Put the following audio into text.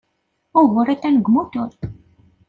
Ugur atan deg umutur.